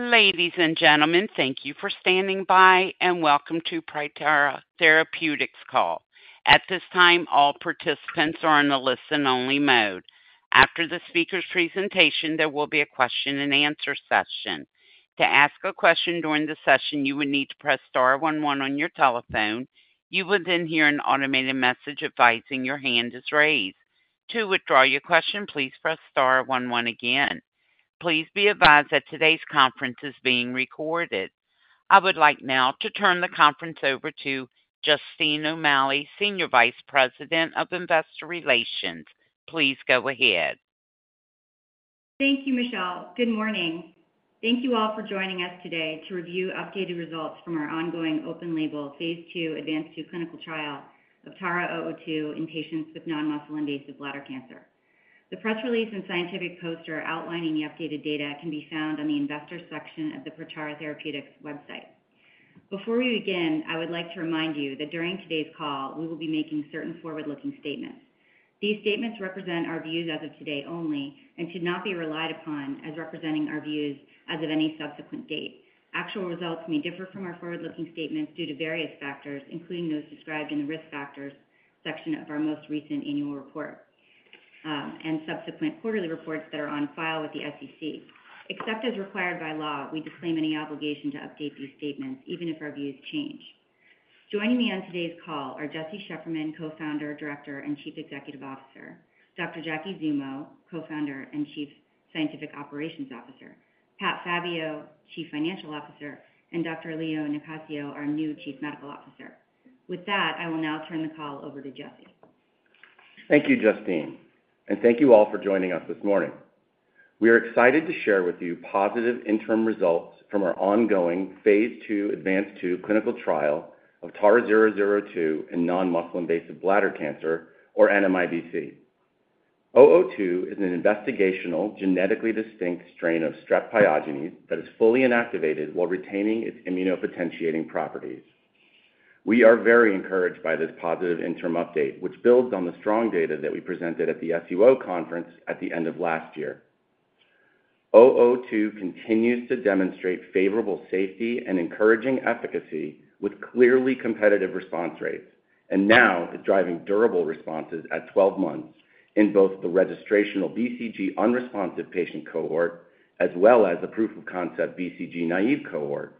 Ladies and gentlemen, thank you for standing by, and welcome to Protara Therapeutics Call. At this time, all participants are on a listen-only mode. After the speaker's presentation, there will be a question-and-answer session. To ask a question during the session, you would need to press star one one on your telephone. You will then hear an automated message advising your hand is raised. To withdraw your question, please press star one one again. Please be advised that today's conference is being recorded. I would like now to turn the conference over to Justine O'Malley, Senior Vice President of Investor Relations. Please go ahead. Thank you, Michelle. Good morning. Thank you all for joining us today to review updated results from our ongoing open-label, phase II, advanced clinical trial of TARA-002 in patients with non-muscle invasive bladder cancer. The press release and scientific poster outlining the updated data can be found on the investor section of the Protara Therapeutics website. Before we begin, I would like to remind you that during today's call, we will be making certain forward-looking statements. These statements represent our views as of today only and should not be relied upon as representing our views as of any subsequent date. Actual results may differ from our forward-looking statements due to various factors, including those described in the risk factors section of our most recent annual report and subsequent quarterly reports that are on file with the SEC. Except as required by law, we disclaim any obligation to update these statements, even if our views change. Joining me on today's call are Jesse Shefferman, Co-founder, Director, and Chief Executive Officer; Dr. Jacque Zummo, Co-founder and Chief Scientific Operations Officer; Pat Fabbio, Chief Financial Officer; and Dr. Leo Nicasio, our new Chief Medical Officer. With that, I will now turn the call over to Jesse. Thank you, Justine, and thank you all for joining us this morning. We are excited to share with you positive interim results from our ongoing phase II, advanced clinical trial of TARA-002 in non-muscle invasive bladder cancer, or NMIBC. TARA-002 is an investigational genetically distinct strain of Strep pyogenes that is fully inactivated while retaining its immunopotentiating properties. We are very encouraged by this positive interim update, which builds on the strong data that we presented at the SUO conference at the end of last year. TARA-002 continues to demonstrate favorable safety and encouraging efficacy with clearly competitive response rates, and now is driving durable responses at 12 months in both the registrational BCG unresponsive patient cohort as well as the proof of concept BCG naïve cohort.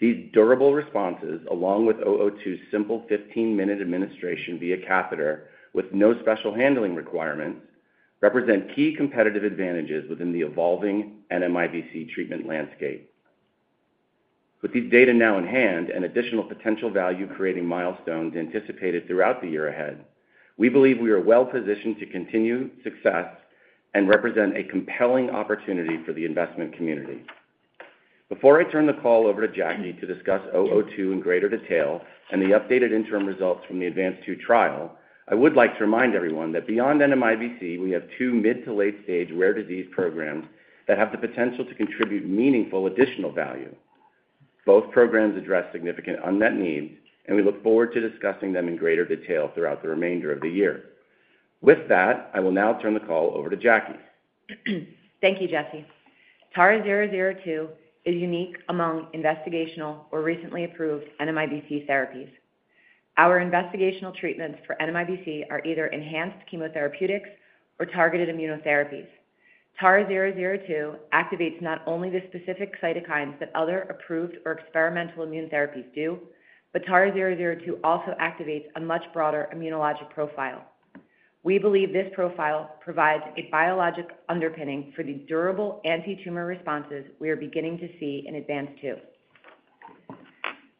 These durable responses, along with 002's simple 15-minute administration via catheter with no special handling requirements, represent key competitive advantages within the evolving NMIBC treatment landscape. With these data now in hand and additional potential value-creating milestones anticipated throughout the year ahead, we believe we are well positioned to continue success and represent a compelling opportunity for the investment community. Before I turn the call over to Jacque to discuss 002 in greater detail and the updated interim results from the advanced trial, I would like to remind everyone that beyond NMIBC, we have two mid to late-stage rare disease programs that have the potential to contribute meaningful additional value. Both programs address significant unmet needs, and we look forward to discussing them in greater detail throughout the remainder of the year. With that, I will now turn the call over to Jacque. Thank you, Jesse. TARA-002 is unique among investigational or recently approved NMIBC therapies. Our investigational treatments for NMIBC are either enhanced chemotherapeutics or targeted immunotherapies. TARA-002 activates not only the specific cytokines that other approved or experimental immune therapies do, but TARA-002 also activates a much broader immunologic profile. We believe this profile provides a biologic underpinning for the durable anti-tumor responses we are beginning to see in ADVANCED-2.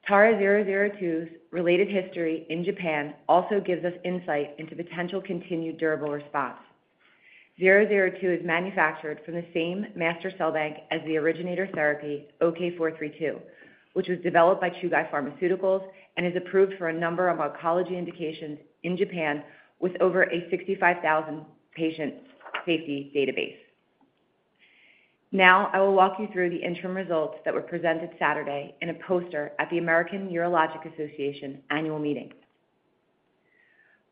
TARA-002's related history in Japan also gives us insight into potential continued durable response. TARA-002 is manufactured from the same master cell bank as the originator therapy, OK-432, which was developed by Chugai Pharmaceutical and is approved for a number of oncology indications in Japan with over a 65,000-patient safety database. Now, I will walk you through the interim results that were presented Saturday in a poster at the American Urologic Association annual meeting.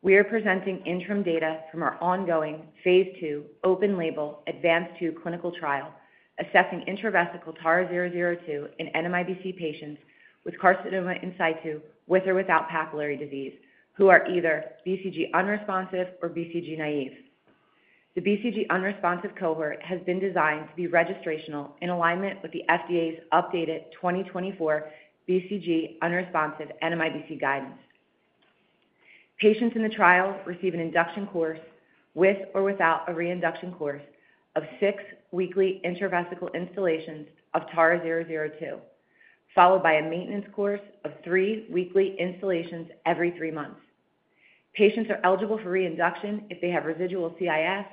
We are presenting interim data from our ongoing phase two, open-label, ADVANCED-2 clinical trial assessing intravesical TARA-002 in NMIBC patients with carcinoma in situ, with or without papillary disease, who are either BCG unresponsive or BCG naïve. The BCG unresponsive cohort has been designed to be registrational in alignment with the FDA's updated 2024 BCG unresponsive NMIBC guidance. Patients in the trial receive an induction course with or without a reinduction course of six weekly intravesical instillations of TARA-002, followed by a maintenance course of three weekly instillations every three months. Patients are eligible for reinduction if they have residual CIS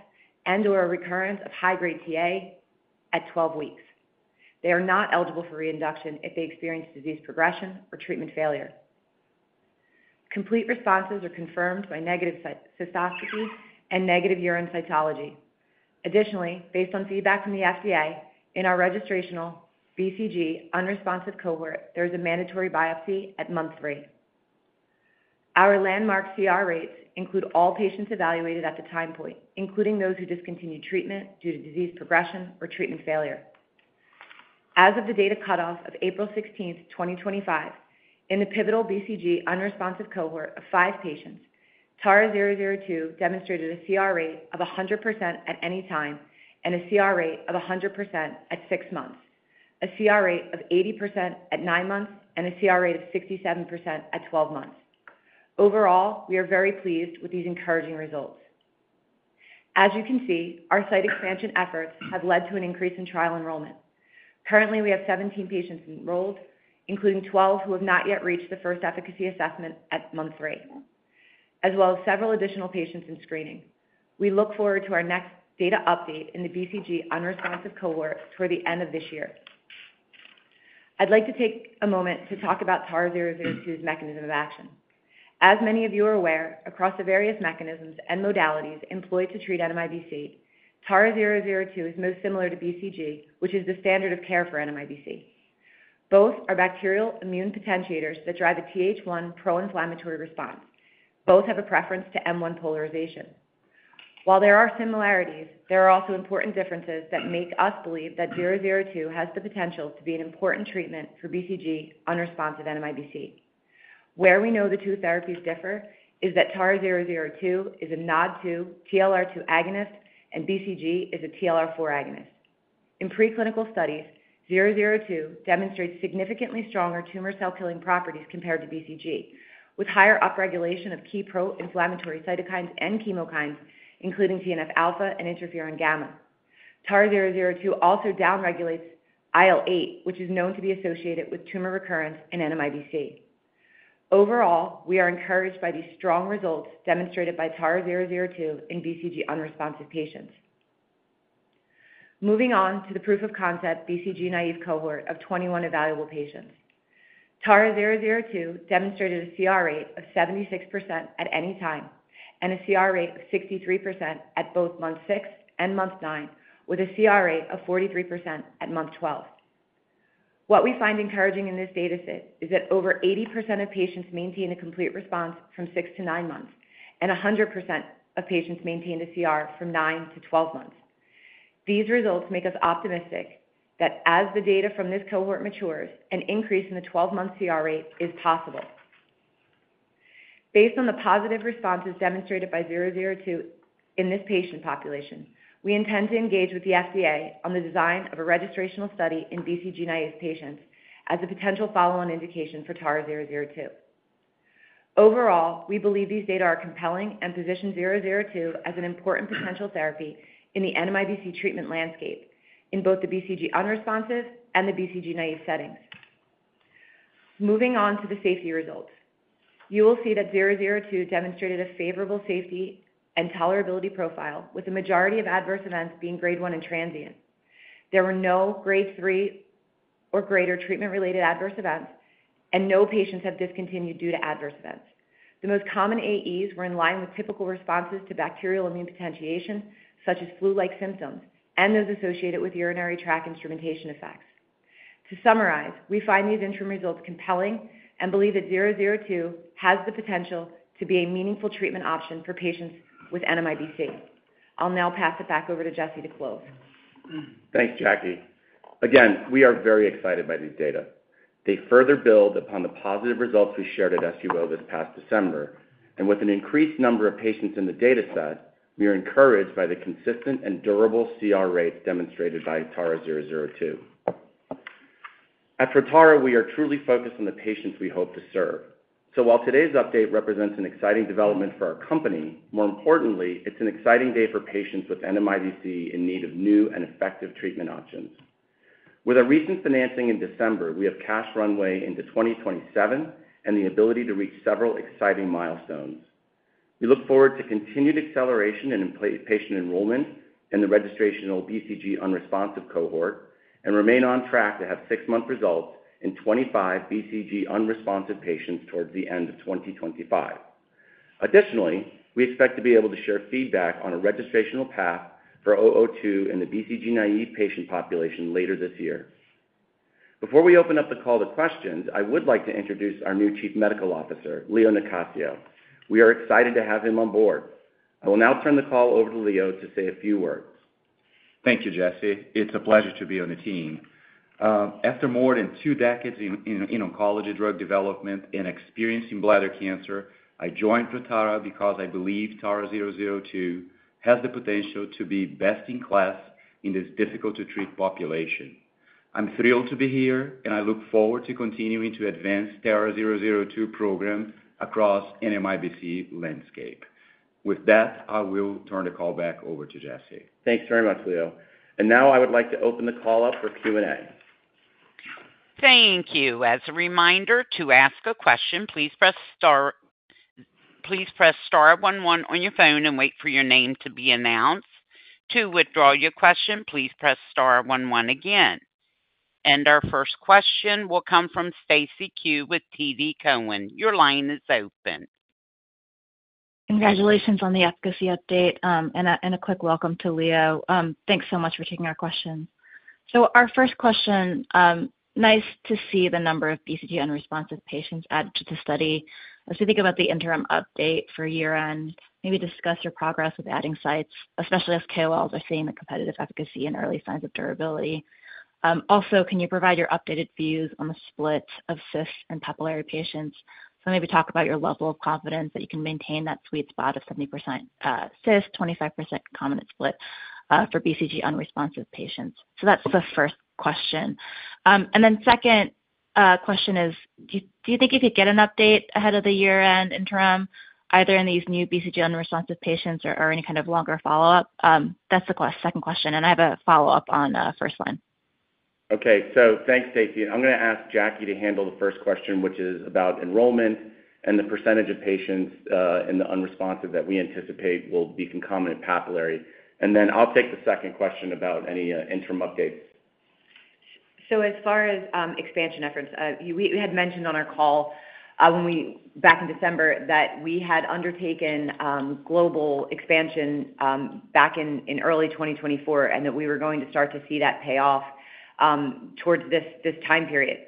and/or a recurrence of high-grade Ta at 12 weeks. They are not eligible for reinduction if they experience disease progression or treatment failure. Complete responses are confirmed by negative cystoscopy and negative urine cytology. Additionally, based on feedback from the FDA, in our registrational BCG unresponsive cohort, there is a mandatory biopsy at month three. Our landmark CR rates include all patients evaluated at the time point, including those who discontinued treatment due to disease progression or treatment failure. As of the data cutoff of April 16, 2025, in the pivotal BCG unresponsive cohort of five patients, TARA-002 demonstrated a CR rate of 100% at any time and a CR rate of 100% at six months, a CR rate of 80% at nine months, and a CR rate of 67% at 12 months. Overall, we are very pleased with these encouraging results. As you can see, our site expansion efforts have led to an increase in trial enrollment. Currently, we have 17 patients enrolled, including 12 who have not yet reached the first efficacy assessment at month three, as well as several additional patients in screening. We look forward to our next data update in the BCG unresponsive cohort toward the end of this year. I'd like to take a moment to talk about TARA-002's mechanism of action. As many of you are aware, across the various mechanisms and modalities employed to treat NMIBC, TARA-002 is most similar to BCG, which is the standard of care for NMIBC. Both are bacterial immune potentiators that drive a TH1 pro-inflammatory response. Both have a preference to M1 polarization. While there are similarities, there are also important differences that make us believe that 002 has the potential to be an important treatment for BCG unresponsive NMIBC. Where we know the two therapies differ is that TARA-002 is a NOD2 TLR2 agonist, and BCG is a TLR4 agonist. In preclinical studies, 002 demonstrates significantly stronger tumor cell-killing properties compared to BCG, with higher upregulation of key pro-inflammatory cytokines and chemokines, including TNF alpha and interferon gamma. TARA-002 also downregulates IL-8, which is known to be associated with tumor recurrence in NMIBC. Overall, we are encouraged by these strong results demonstrated by TARA-002 in BCG unresponsive patients. Moving on to the proof of concept BCG naïve cohort of 21 evaluable patients, TARA-002 demonstrated a CR rate of 76% at any time and a CR rate of 63% at both month six and month nine, with a CR rate of 43% at month 12. What we find encouraging in this data set is that over 80% of patients maintain a complete response from six to nine months, and 100% of patients maintained a CR from nine to 12 months. These results make us optimistic that as the data from this cohort matures, an increase in the 12-month CR rate is possible. Based on the positive responses demonstrated by 002 in this patient population, we intend to engage with the FDA on the design of a registrational study in BCG naïve patients as a potential follow-on indication for TARA-002. Overall, we believe these data are compelling and position 002 as an important potential therapy in the NMIBC treatment landscape in both the BCG unresponsive and the BCG naïve settings. Moving on to the safety results, you will see that 002 demonstrated a favorable safety and tolerability profile, with the majority of adverse events being grade one and transient. There were no grade three or greater treatment-related adverse events, and no patients have discontinued due to adverse events. The most common AEs were in line with typical responses to bacterial immune potentiation, such as flu-like symptoms and those associated with urinary tract instrumentation effects. To summarize, we find these interim results compelling and believe that 002 has the potential to be a meaningful treatment option for patients with NMIBC. I'll now pass it back over to Jesse to close. Thanks, Jacque. Again, we are very excited by these data. They further build upon the positive results we shared at SUO this past December, and with an increased number of patients in the data set, we are encouraged by the consistent and durable CR rates demonstrated by TARA-002. At Protara, we are truly focused on the patients we hope to serve. While today's update represents an exciting development for our company, more importantly, it's an exciting day for patients with NMIBC in need of new and effective treatment options. With our recent financing in December, we have cash runway into 2027 and the ability to reach several exciting milestones. We look forward to continued acceleration in patient enrollment and the registration of BCG unresponsive cohort and remain on track to have six-month results in 25 BCG unresponsive patients towards the end of 2025. Additionally, we expect to be able to share feedback on a registrational path for 002 in the BCG naïve patient population later this year. Before we open up the call to questions, I would like to introduce our new Chief Medical Officer, Leo Nicasio. We are excited to have him on board. I will now turn the call over to Leo to say a few words. Thank you, Jesse. It's a pleasure to be on the team. After more than two decades in oncology drug development and experiencing bladder cancer, I joined Protara because I believe TARA-002 has the potential to be best in class in this difficult-to-treat population. I'm thrilled to be here, and I look forward to continuing to advance TARA-002 program across the NMIBC landscape. With that, I will turn the call back over to Jesse. Thanks very much, Leo. I would like to open the call up for Q&A. Thank you. As a reminder, to ask a question, please press star one one on your phone and wait for your name to be announced. To withdraw your question, please press star one one again. Our first question will come from Stacy Ku with TD Cowen. Your line is open. Congratulations on the efficacy update and a quick welcome to Leo. Thanks so much for taking our questions. Our first question, nice to see the number of BCG unresponsive patients added to the study. As we think about the interim update for year-end, maybe discuss your progress with adding sites, especially as KOLs are seeing the competitive efficacy and early signs of durability. Also, can you provide your updated views on the split of cyst and papillary patients? Maybe talk about your level of confidence that you can maintain that sweet spot of 70% cyst, 25% common split for BCG unresponsive patients. That is the first question. The second question is, do you think you could get an update ahead of the year-end interim, either in these new BCG unresponsive patients or any kind of longer follow-up? That's the second question, and I have a follow-up on the first one. Okay. Thanks, Stacy. I'm going to ask Jacque to handle the first question, which is about enrollment and the percentage of patients in the unresponsive that we anticipate will be concomitant papillary. I will take the second question about any interim updates. As far as expansion efforts, we had mentioned on our call back in December that we had undertaken global expansion back in early 2024 and that we were going to start to see that pay off towards this time period.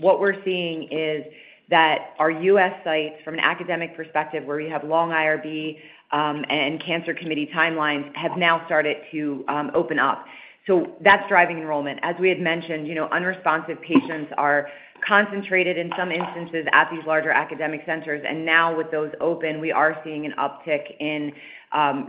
What we're seeing is that our U.S. sites, from an academic perspective, where we have long IRB and cancer committee timelines, have now started to open up. That's driving enrollment. As we had mentioned, unresponsive patients are concentrated in some instances at these larger academic centers. Now with those open, we are seeing an uptick in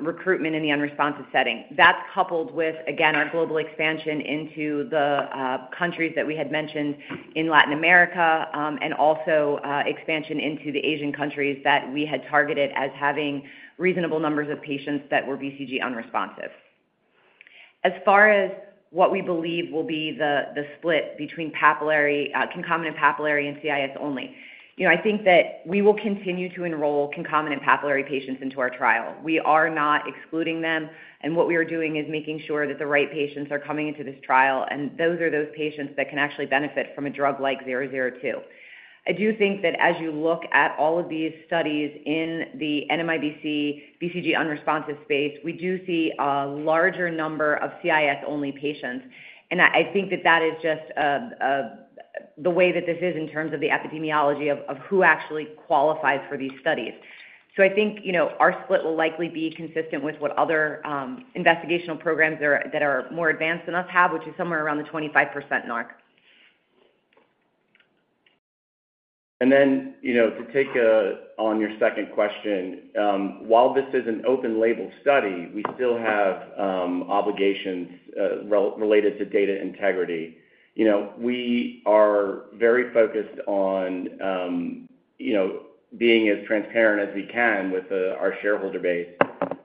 recruitment in the unresponsive setting. That's coupled with, again, our global expansion into the countries that we had mentioned in Latin America and also expansion into the Asian countries that we had targeted as having reasonable numbers of patients that were BCG unresponsive. As far as what we believe will be the split between concomitant papillary and CIS only, I think that we will continue to enroll concomitant papillary patients into our trial. We are not excluding them. What we are doing is making sure that the right patients are coming into this trial, and those are those patients that can actually benefit from a drug like 002. I do think that as you look at all of these studies in the NMIBC BCG unresponsive space, we do see a larger number of CIS-only patients. I think that that is just the way that this is in terms of the epidemiology of who actually qualifies for these studies. I think our split will likely be consistent with what other investigational programs that are more advanced than us have, which is somewhere around the 25% mark. To take on your second question, while this is an open-label study, we still have obligations related to data integrity. We are very focused on being as transparent as we can with our shareholder base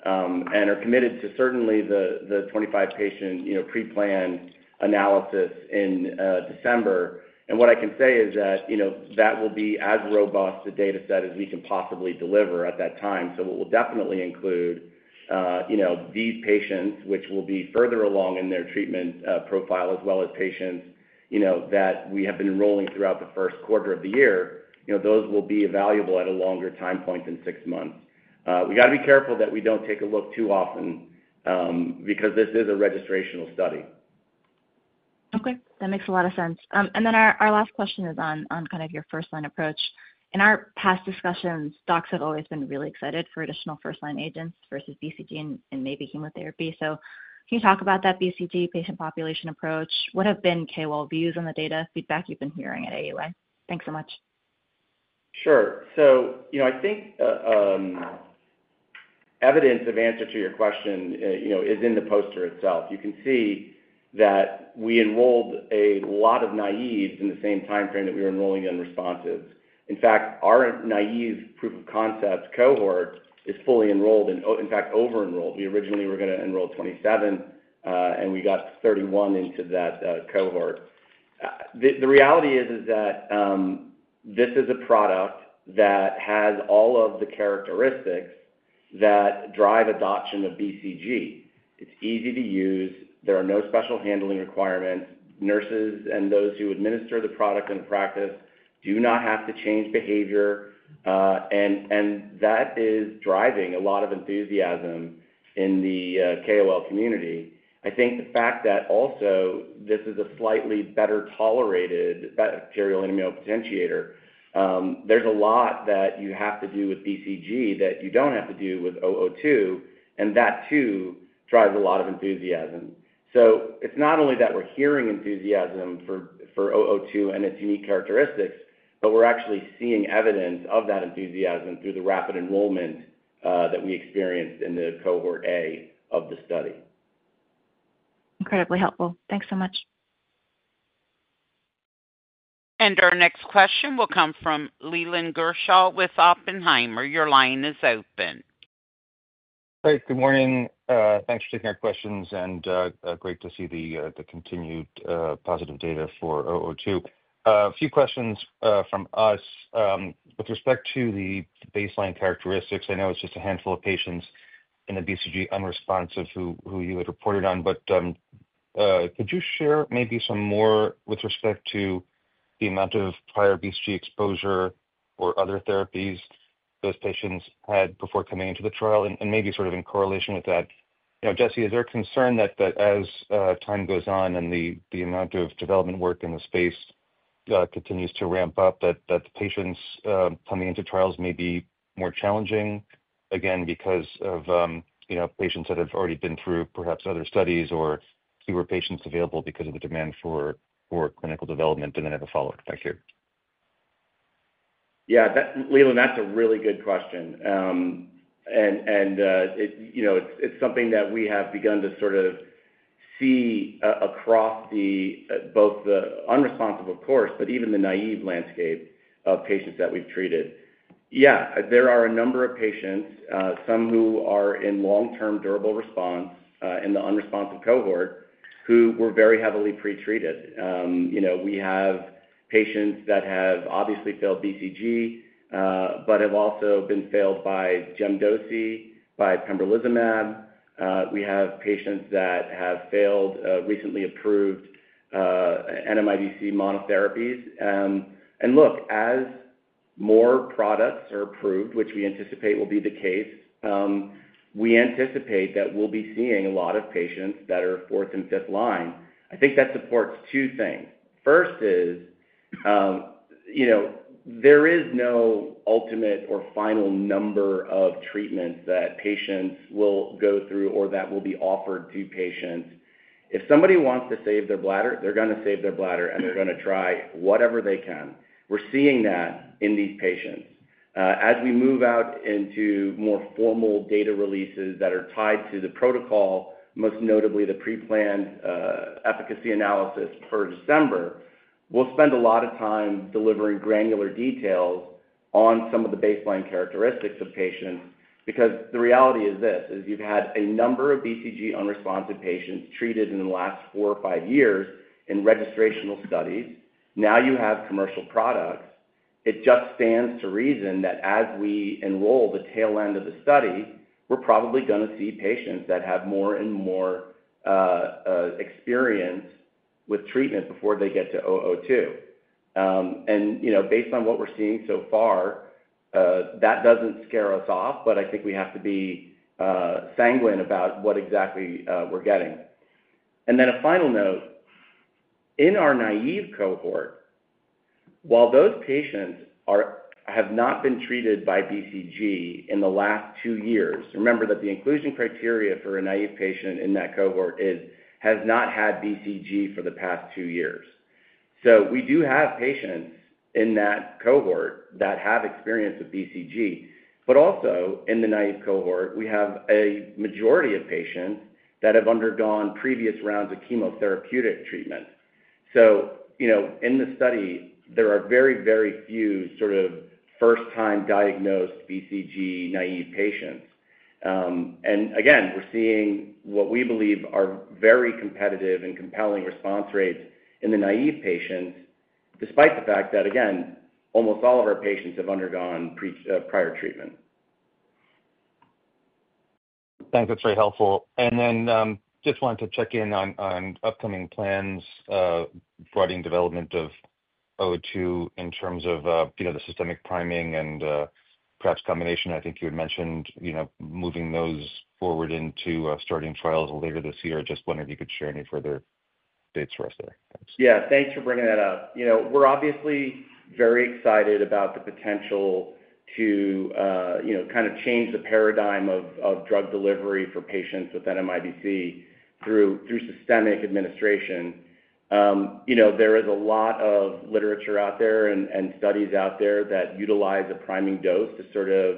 and are committed to certainly the 25-patient pre-planned analysis in December. What I can say is that that will be as robust a data set as we can possibly deliver at that time. It will definitely include these patients, which will be further along in their treatment profile, as well as patients that we have been enrolling throughout the first quarter of the year. Those will be evaluable at a longer time point than six months. We got to be careful that we do not take a look too often because this is a registrational study. Okay. That makes a lot of sense. Our last question is on kind of your first-line approach. In our past discussions, docs have always been really excited for additional first-line agents versus BCG and maybe chemotherapy. Can you talk about that BCG patient population approach? What have been KOL views on the data feedback you've been hearing at AUI? Thanks so much. Sure. I think evidence of answer to your question is in the poster itself. You can see that we enrolled a lot of naïves in the same timeframe that we were enrolling unresponsives. In fact, our naïve proof of concept cohort is fully enrolled and, in fact, over-enrolled. We originally were going to enroll 27, and we got 31 into that cohort. The reality is that this is a product that has all of the characteristics that drive adoption of BCG. It's easy to use. There are no special handling requirements. Nurses and those who administer the product in practice do not have to change behavior. That is driving a lot of enthusiasm in the KOL community. I think the fact that also this is a slightly better tolerated bacterial immunopotentiator, there's a lot that you have to do with BCG that you don't have to do with 002. That too drives a lot of enthusiasm. It's not only that we're hearing enthusiasm for 002 and its unique characteristics, but we're actually seeing evidence of that enthusiasm through the rapid enrollment that we experienced in the cohort A of the study. Incredibly helpful. Thanks so much. Our next question will come from Leland Gershaw with Oppenheimer. Your line is open. Hi. Good morning. Thanks for taking our questions, and great to see the continued positive data for 002. A few questions from us with respect to the baseline characteristics. I know it's just a handful of patients in the BCG unresponsive who you had reported on, but could you share maybe some more with respect to the amount of prior BCG exposure or other therapies those patients had before coming into the trial? Maybe sort of in correlation with that, Jesse, is there a concern that as time goes on and the amount of development work in the space continues to ramp up, that the patients coming into trials may be more challenging again because of patients that have already been through perhaps other studies or fewer patients available because of the demand for clinical development and then have a follow-up effect here? Yeah. Leland, that's a really good question. It's something that we have begun to sort of see across both the unresponsive, of course, but even the naïve landscape of patients that we've treated. Yeah, there are a number of patients, some who are in long-term durable response in the unresponsive cohort, who were very heavily pretreated. We have patients that have obviously failed BCG but have also been failed by gemcitabine, by pembrolizumab. We have patients that have failed recently approved NMIBC monotherapies. Look, as more products are approved, which we anticipate will be the case, we anticipate that we'll be seeing a lot of patients that are fourth and fifth line. I think that supports two things. First is there is no ultimate or final number of treatments that patients will go through or that will be offered to patients. If somebody wants to save their bladder, they're going to save their bladder, and they're going to try whatever they can. We're seeing that in these patients. As we move out into more formal data releases that are tied to the protocol, most notably the pre-planned efficacy analysis for December, we'll spend a lot of time delivering granular details on some of the baseline characteristics of patients because the reality is this: you've had a number of BCG unresponsive patients treated in the last four or five years in registrational studies. Now you have commercial products. It just stands to reason that as we enroll the tail end of the study, we're probably going to see patients that have more and more experience with treatment before they get to 002. Based on what we're seeing so far, that doesn't scare us off, but I think we have to be sanguine about what exactly we're getting. A final note. In our naïve cohort, while those patients have not been treated by BCG in the last two years, remember that the inclusion criteria for a naïve patient in that cohort is has not had BCG for the past two years. We do have patients in that cohort that have experience with BCG. Also in the naïve cohort, we have a majority of patients that have undergone previous rounds of chemotherapeutic treatment. In the study, there are very, very few sort of first-time diagnosed BCG naïve patients. We're seeing what we believe are very competitive and compelling response rates in the naïve patients, despite the fact that, again, almost all of our patients have undergone prior treatment. Thanks. That's very helpful. I just wanted to check in on upcoming plans regarding development of 002 in terms of the systemic priming and perhaps combination. I think you had mentioned moving those forward into starting trials later this year. Just wondering if you could share any further updates for us there. Yeah. Thanks for bringing that up. We're obviously very excited about the potential to kind of change the paradigm of drug delivery for patients with NMIBC through systemic administration. There is a lot of literature out there and studies out there that utilize a priming dose to sort of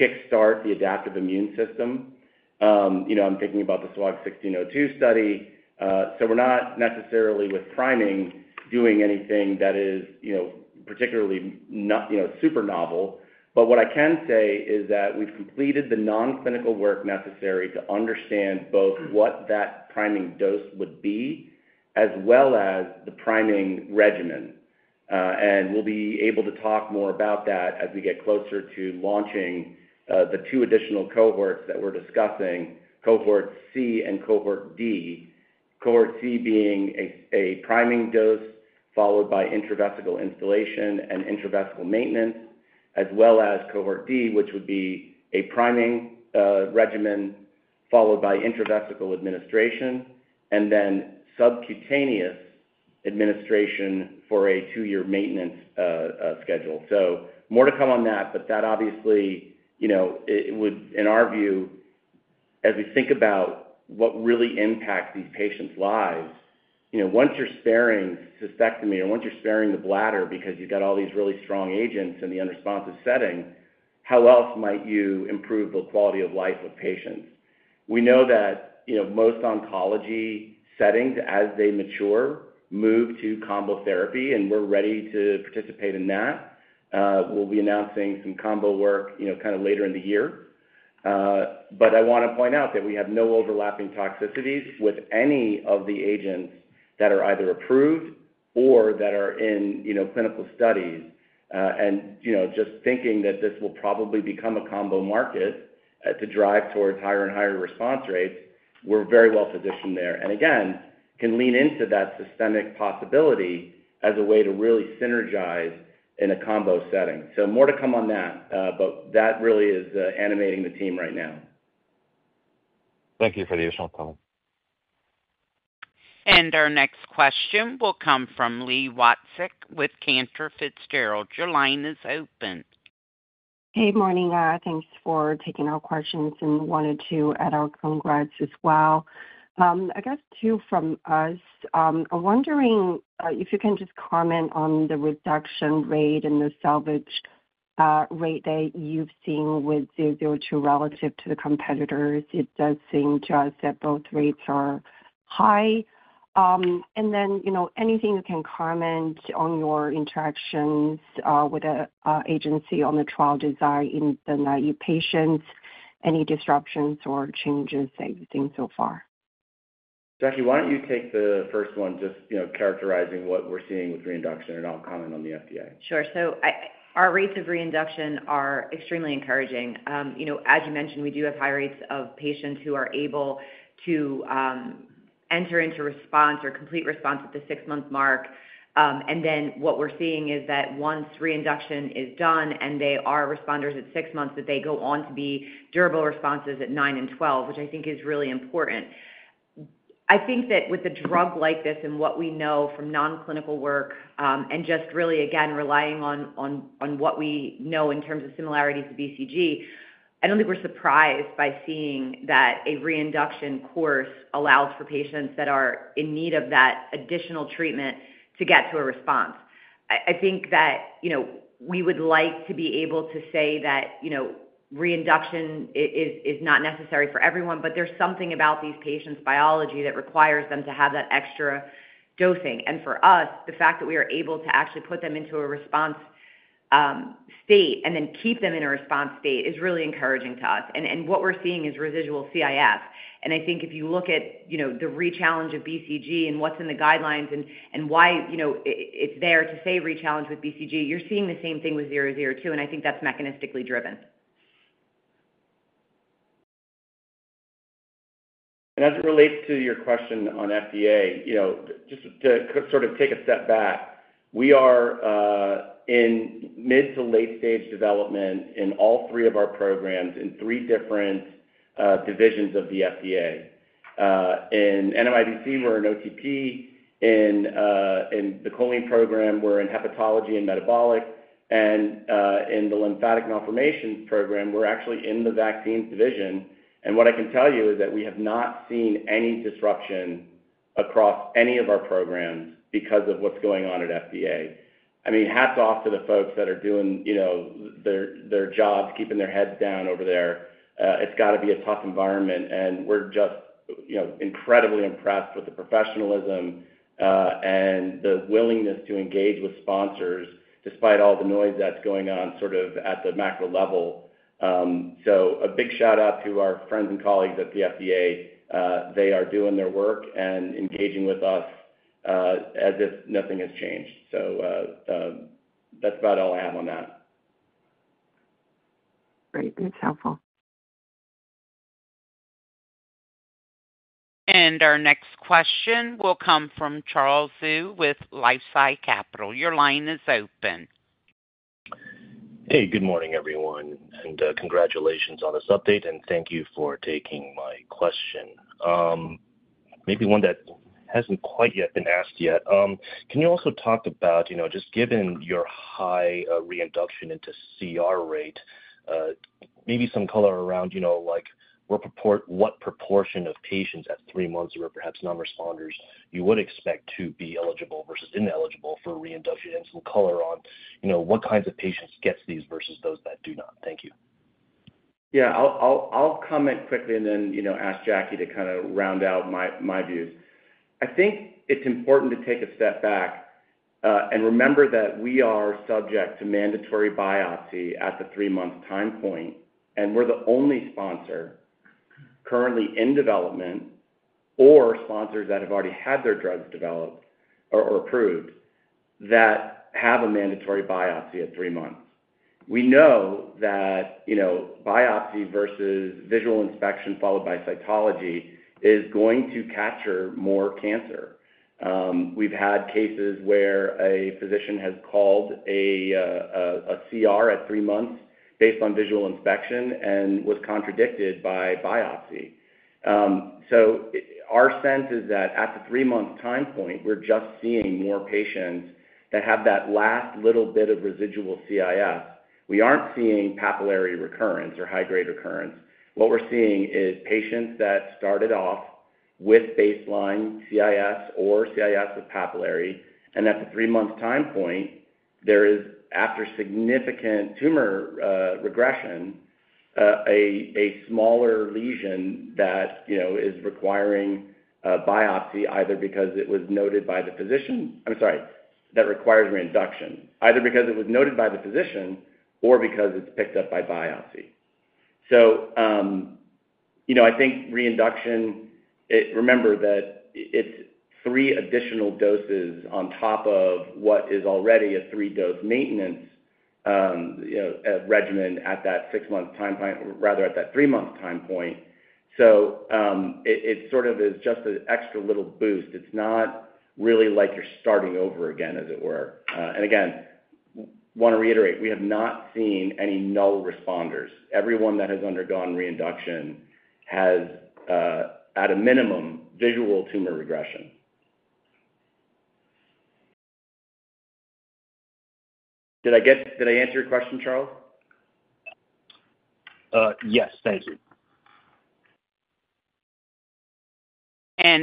kickstart the adaptive immune system. I'm thinking about the SWOG 1602 study. We're not necessarily with priming doing anything that is particularly super novel. What I can say is that we've completed the non-clinical work necessary to understand both what that priming dose would be as well as the priming regimen. We'll be able to talk more about that as we get closer to launching the two additional cohorts that we're discussing, cohort C and cohort D. Cohort C being a priming dose followed by intravesical installation and intravesical maintenance, as well as cohort D, which would be a priming regimen followed by intravesical administration, and then subcutaneous administration for a two-year maintenance schedule. More to come on that, but that obviously, in our view, as we think about what really impacts these patients' lives, once you're sparing cystectomy or once you're sparing the bladder because you've got all these really strong agents in the unresponsive setting, how else might you improve the quality of life of patients? We know that most oncology settings, as they mature, move to combo therapy, and we're ready to participate in that. We'll be announcing some combo work kind of later in the year. I want to point out that we have no overlapping toxicities with any of the agents that are either approved or that are in clinical studies. Just thinking that this will probably become a combo market to drive towards higher and higher response rates, we're very well positioned there. Again, can lean into that systemic possibility as a way to really synergize in a combo setting. More to come on that, but that really is animating the team right now. Thank you for the additional comments. Our next question will come from Li Watsek with Cantor Fitzgerald. Your line is open. Hey, morning. Thanks for taking our questions and wanted to add our congrats as well. I guess two from us. I'm wondering if you can just comment on the reduction rate and the salvage rate that you've seen with 002 relative to the competitors. It does seem to us that both rates are high. Anything you can comment on your interactions with an agency on the trial design in the naïve patients, any disruptions or changes that you've seen so far? Jacque, why don't you take the first one just characterizing what we're seeing with reinduction and I'll comment on the FDA. Sure. Our rates of reinduction are extremely encouraging. As you mentioned, we do have high rates of patients who are able to enter into response or complete response at the six-month mark. What we are seeing is that once reinduction is done and they are responders at six months, they go on to be durable responses at nine and 12, which I think is really important. I think that with a drug like this and what we know from non-clinical work and just really, again, relying on what we know in terms of similarities to BCG, I do not think we are surprised by seeing that a reinduction course allows for patients that are in need of that additional treatment to get to a response. I think that we would like to be able to say that reinduction is not necessary for everyone, but there's something about these patients' biology that requires them to have that extra dosing. For us, the fact that we are able to actually put them into a response state and then keep them in a response state is really encouraging to us. What we're seeing is residual CIS. I think if you look at the rechallenge of BCG and what's in the guidelines and why it's there to say rechallenge with BCG, you're seeing the same thing with 002, and I think that's mechanistically driven. As it relates to your question on FDA, just to sort of take a step back, we are in mid to late-stage development in all three of our programs in three different divisions of the FDA. In NMIBC, we're in OTP. In the choline program, we're in hepatology and metabolic. In the lymphatic malformations program, we're actually in the vaccine division. What I can tell you is that we have not seen any disruption across any of our programs because of what's going on at FDA. I mean, hats off to the folks that are doing their jobs, keeping their heads down over there. It's got to be a tough environment. We're just incredibly impressed with the professionalism and the willingness to engage with sponsors despite all the noise that's going on sort of at the macro level. A big shout-out to our friends and colleagues at the FDA. They are doing their work and engaging with us as if nothing has changed. That's about all I have on that. Great. That's helpful. Our next question will come from Charles Zhu with LifeSci Capital. Your line is open. Hey, good morning, everyone. Congratulations on this update, and thank you for taking my question. Maybe one that hasn't quite yet been asked yet. Can you also talk about, just given your high reinduction into CR rate, maybe some color around what proportion of patients at three months who are perhaps non-responders you would expect to be eligible versus ineligible for reinduction and some color on what kinds of patients get these versus those that do not? Thank you. Yeah. I'll comment quickly and then ask Jacque to kind of round out my views. I think it's important to take a step back and remember that we are subject to mandatory biopsy at the three-month time point. We're the only sponsor currently in development or sponsors that have already had their drugs developed or approved that have a mandatory biopsy at three months. We know that biopsy versus visual inspection followed by cytology is going to capture more cancer. We've had cases where a physician has called a CR at three months based on visual inspection and was contradicted by biopsy. Our sense is that at the three-month time point, we're just seeing more patients that have that last little bit of residual CIS. We aren't seeing papillary recurrence or high-grade recurrence. What we're seeing is patients that started off with baseline CIS or CIS with papillary. At the three-month time point, there is, after significant tumor regression, a smaller lesion that is requiring biopsy either because it was noted by the physician—I'm sorry—that requires reinduction, either because it was noted by the physician or because it's picked up by biopsy. I think reinduction, remember that it's three additional doses on top of what is already a three-dose maintenance regimen at that six-month time point, rather at that three-month time point. It sort of is just an extra little boost. It's not really like you're starting over again, as it were. Again, I want to reiterate, we have not seen any null responders. Everyone that has undergone reinduction has, at a minimum, visual tumor regression. Did I answer your question, Charles? Yes. Thank you.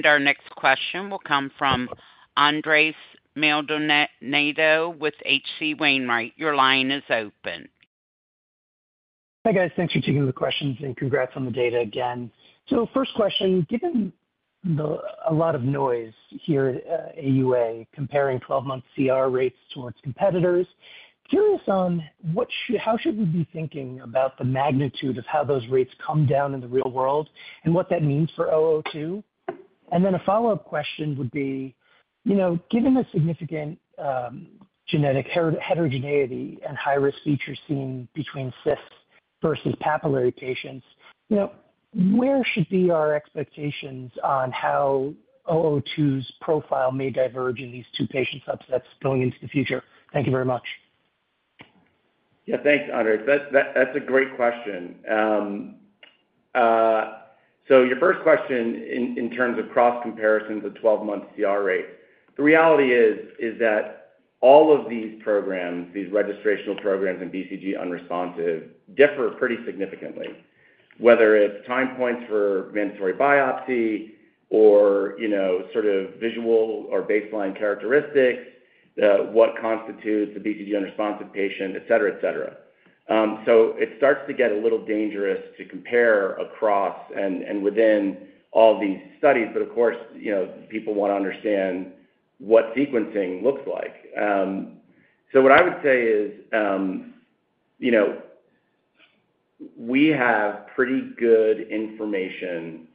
Our next question will come from Andres Maldonado with HCWainwright. Your line is open. Hi guys. Thanks for taking the questions and congrats on the data again. First question, given a lot of noise here at AUA comparing 12-month CR rates towards competitors, curious on how should we be thinking about the magnitude of how those rates come down in the real world and what that means for 002? A follow-up question would be, given the significant genetic heterogeneity and high-risk features seen between cysts versus papillary patients, where should be our expectations on how 002's profile may diverge in these two patient subsets going into the future? Thank you very much. Yeah. Thanks, Andres. That's a great question. Your first question in terms of cross-comparison to 12-month CR rates, the reality is that all of these programs, these registrational programs in BCG unresponsive, differ pretty significantly, whether it's time points for mandatory biopsy or sort of visual or baseline characteristics, what constitutes a BCG unresponsive patient, etc., etc. It starts to get a little dangerous to compare across and within all these studies, but of course, people want to understand what sequencing looks like. What I would say is we have pretty good information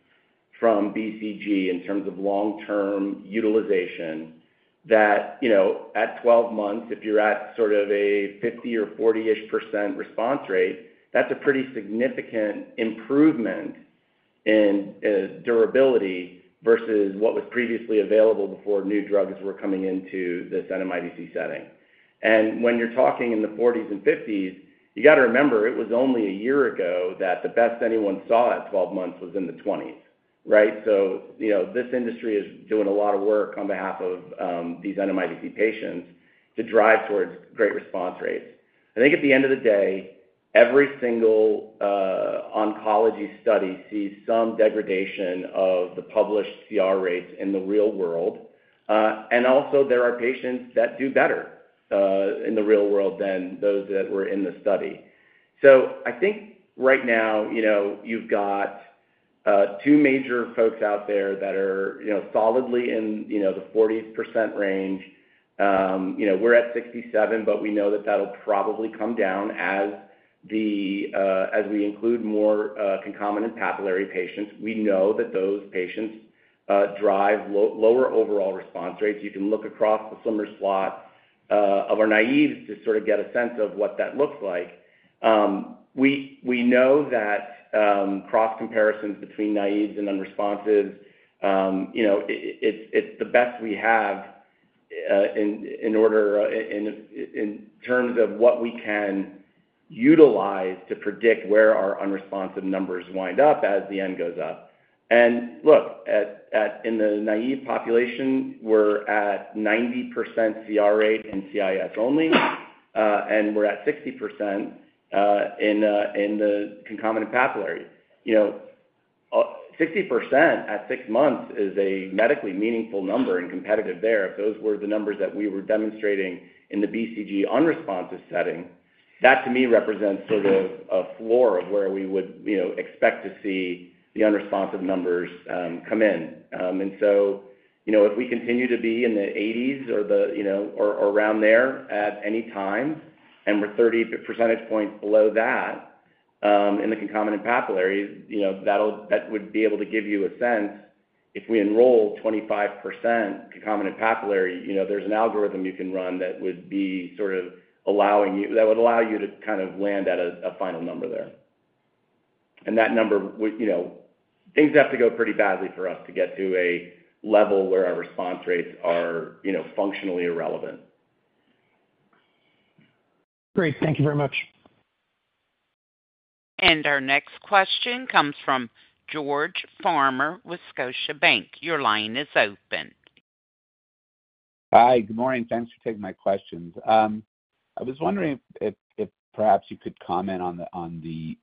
from BCG in terms of long-term utilization that at 12 months, if you're at sort of a 50% or 40%-ish response rate, that's a pretty significant improvement in durability versus what was previously available before new drugs were coming into this NMIBC setting. When you're talking in the 40s and 50s, you got to remember it was only a year ago that the best anyone saw at 12 months was in the 20s, right? This industry is doing a lot of work on behalf of these NMIBC patients to drive towards great response rates. I think at the end of the day, every single oncology study sees some degradation of the published CR rates in the real world. Also, there are patients that do better in the real world than those that were in the study. I think right now, you've got two major folks out there that are solidly in the 40% range. We're at 67%, but we know that that'll probably come down as we include more concomitant papillary patients. We know that those patients drive lower overall response rates. You can look across the summer slot of our naïve to sort of get a sense of what that looks like. We know that cross-comparisons between naïve and unresponsives, it's the best we have in terms of what we can utilize to predict where our unresponsive numbers wind up as the end goes up. Look, in the naïve population, we're at 90% CR rate in CIS only, and we're at 60% in the concomitant papillary. 60% at six months is a medically meaningful number and competitive there. If those were the numbers that we were demonstrating in the BCG unresponsive setting, that to me represents sort of a floor of where we would expect to see the unresponsive numbers come in. If we continue to be in the 80s or around there at any time and we're 30 percentage points below that in the concomitant papillary, that would be able to give you a sense if we enroll 25% concomitant papillary, there's an algorithm you can run that would be sort of allowing you, that would allow you to kind of land at a final number there. That number, things have to go pretty badly for us to get to a level where our response rates are functionally irrelevant. Great. Thank you very much. Our next question comes from George Farmer, Scotiabank. Your line is open. Hi. Good morning. Thanks for taking my questions. I was wondering if perhaps you could comment on the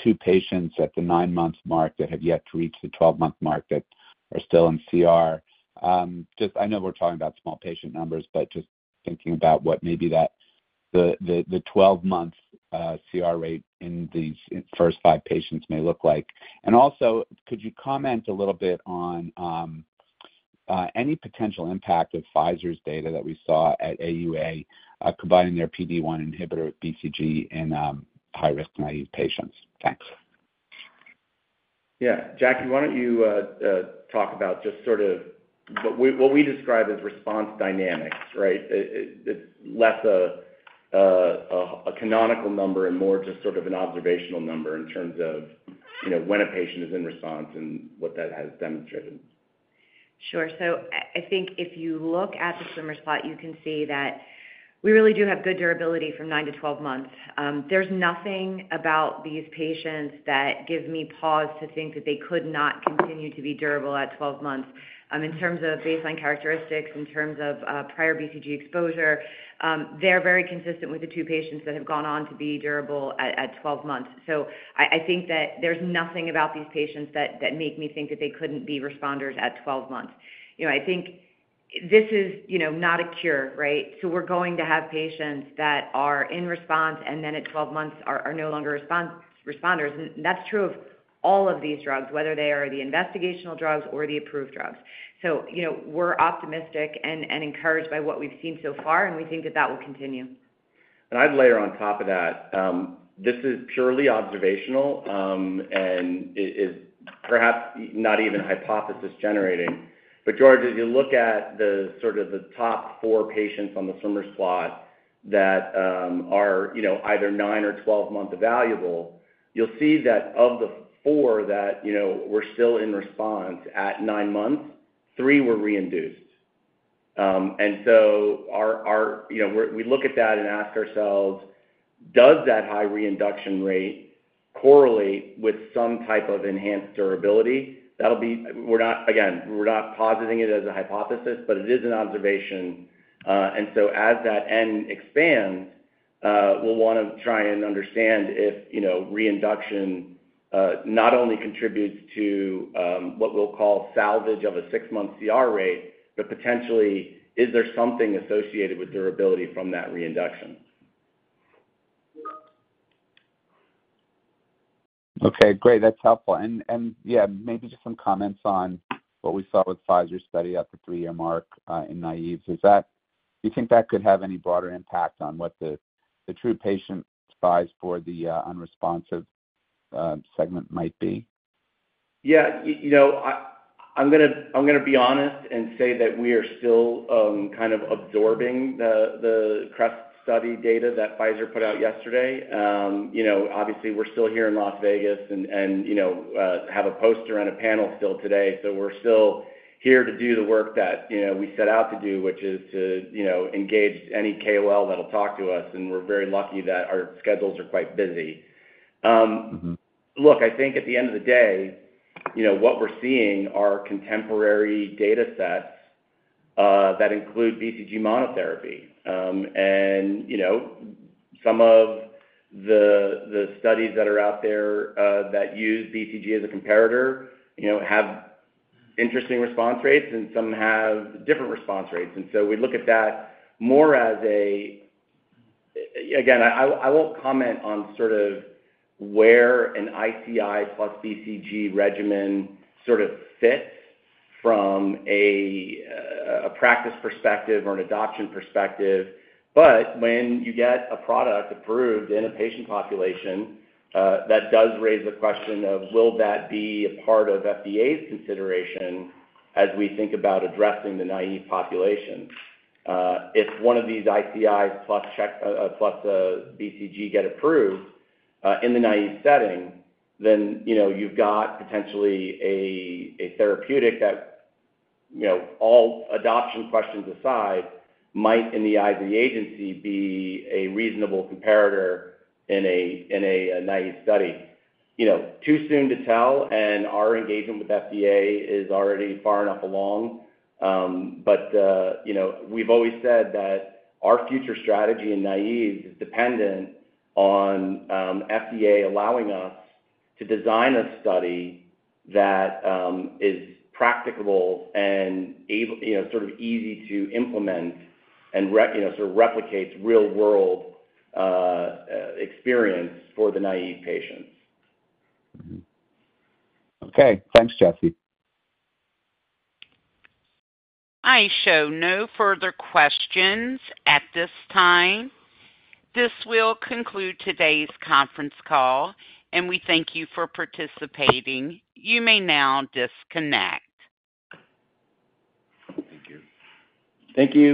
two patients at the nine-month mark that have yet to reach the 12-month mark that are still in CR. I know we're talking about small patient numbers, but just thinking about what maybe the 12-month CR rate in these first five patients may look like. Also, could you comment a little bit on any potential impact of Pfizer's data that we saw at AUA combining their PD-1 inhibitor with BCG in high-risk naïve patients? Thanks. Yeah. Jacque, why don't you talk about just sort of what we describe as response dynamics, right? It's less a canonical number and more just sort of an observational number in terms of when a patient is in response and what that has demonstrated. Sure. I think if you look at the swimmer slot, you can see that we really do have good durability from nine to 12 months. There is nothing about these patients that gives me pause to think that they could not continue to be durable at 12 months. In terms of baseline characteristics, in terms of prior BCG exposure, they are very consistent with the two patients that have gone on to be durable at 12 months. I think that there is nothing about these patients that makes me think that they could not be responders at 12 months. I think this is not a cure, right? We are going to have patients that are in response and then at 12 months are no longer responders. That is true of all of these drugs, whether they are the investigational drugs or the approved drugs. We're optimistic and encouraged by what we've seen so far, and we think that that will continue. I'd layer on top of that, this is purely observational and is perhaps not even hypothesis-generating. George, as you look at the sort of the top four patients on the swimmer slot that are either nine or 12-month valuable, you'll see that of the four that were still in response at nine months, three were reinduced. We look at that and ask ourselves, does that high reinduction rate correlate with some type of enhanced durability? Again, we're not positing it as a hypothesis, but it is an observation. As that end expands, we'll want to try and understand if reinduction not only contributes to what we'll call salvage of a six-month CR rate, but potentially, is there something associated with durability from that reinduction? Okay. Great. That's helpful. Yeah, maybe just some comments on what we saw with Pfizer's study at the three-year mark in naïves. Do you think that could have any broader impact on what the true patient size for the unresponsive segment might be? Yeah. I'm going to be honest and say that we are still kind of absorbing the CREST study data that Pfizer put out yesterday. Obviously, we're still here in Las Vegas and have a poster and a panel still today. We're still here to do the work that we set out to do, which is to engage any KOL that'll talk to us. We're very lucky that our schedules are quite busy. Look, I think at the end of the day, what we're seeing are contemporary data sets that include BCG monotherapy. Some of the studies that are out there that use BCG as a comparator have interesting response rates, and some have different response rates. We look at that more as a—again, I won't comment on sort of where an ICI plus BCG regimen sort of fits from a practice perspective or an adoption perspective. When you get a product approved in a patient population, that does raise the question of, will that be a part of FDA's consideration as we think about addressing the naïve population? If one of these ICIs plus BCG get approved in the naïve setting, then you've got potentially a therapeutic that, all adoption questions aside, might, in the eyes of the agency, be a reasonable comparator in a naïve study. Too soon to tell, and our engagement with FDA is already far enough along. We have always said that our future strategy in naïve is dependent on FDA allowing us to design a study that is practicable and sort of easy to implement and sort of replicates real-world experience for the naïve patients. Okay. Thanks, Jesse. I show no further questions at this time. This will conclude today's conference call, and we thank you for participating. You may now disconnect. Thank you. Thank you.